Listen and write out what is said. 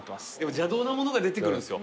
邪道なものが出てくるんですよ